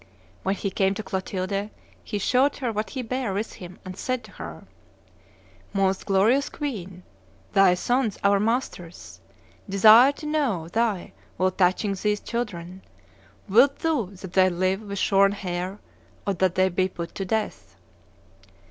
When he came to Clotilde, he showed her what he bare with him, and said to her, 'Most glorious queen, thy sons, our masters, desire to know thy will touching these children: wilt thou that they live with shorn hair or that they be put to death?